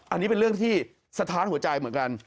อันนี้เป็นเรื่องที่สะท้านหัวใจเหมือนกัน